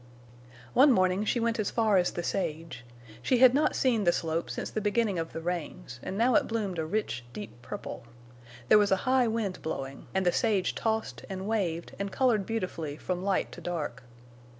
One morning she went as far as the sage. She had not seen the slope since the beginning of the rains, and now it bloomed a rich deep purple. There was a high wind blowing, and the sage tossed and waved and colored beautifully from light to dark.